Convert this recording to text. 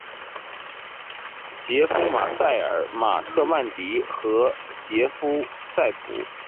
杰夫·马塞尔、马特·曼迪和杰夫·塞普。